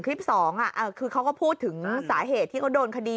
คลิปสองคือเขาก็พูดถึงสาเหตุที่เขาโดนคดี